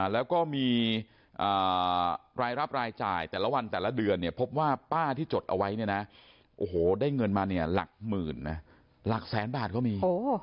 แล้วก็มีรายรับรายจ่ายแต่ละวันแต่ละเดือนพบว่าป้าที่จดเอาไว้ได้เงินมาหลักหมื่นหลักแสนบาทก็มี